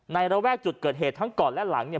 ระแวกจุดเกิดเหตุทั้งก่อนและหลังเนี่ย